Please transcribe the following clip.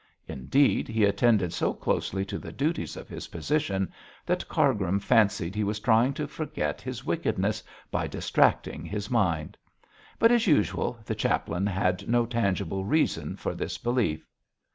Indeed, he attended so closely to the duties of his position that Cargrim fancied he was trying to forget his wickedness by distracting his mind. But, as usual, the chaplain had no tangible reason for this belief.